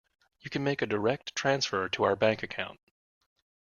You can make a direct transfer to our bank account.